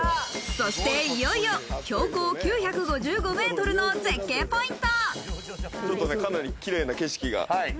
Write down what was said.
そして、いよいよ標高９５５メートルの絶景ポイント。